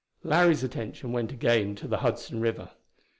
Larry's attention went again to the Hudson river.